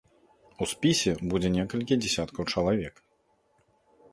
У спісе будзе некалькі дзесяткаў чалавек.